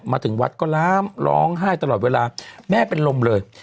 มาถึงวัดก็ล้ามร้องไห้ตลอดเวลาแม่เป็นลมเลย